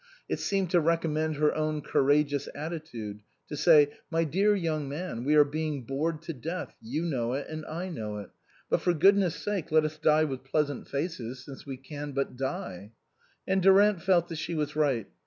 It seemed to recommend her own courageous attitude, to say, " My dear young man, we are being bored to death ; you know it, and I know it. But for Goodness' sake, let us die with pleasant faces, since we can but die." And Durant felt that she was right.